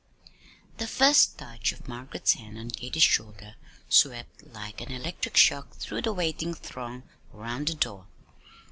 The first touch of Margaret's hand on Katy's shoulder swept like an electric shock through the waiting throng around the door.